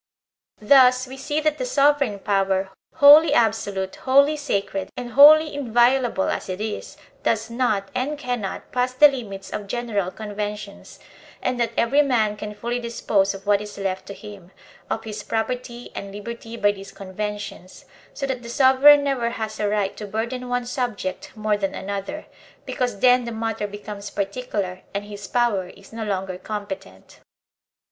Thus we see that the sovereign power, wholly abso lute, wholly sacred, and wholly inviolable as it is, does not, and cannot, pass the limits of general conventions, and that every man can fully dispose of what is left to him, of his property and liberty by these conventions; so that the sovereign never has a right to burden one subject more than another, because then the matter becomes particular and his power is no longer competent.